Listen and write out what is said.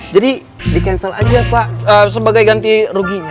jadi di cancel aja pak sebagai ganti ruginya